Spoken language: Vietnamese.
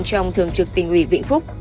trong thường trực tỉnh uỷ vĩnh phúc